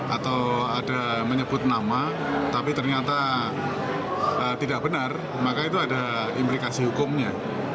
atau ada menyebut nama tapi ternyata tidak benar maka itu ada implikasi hukumnya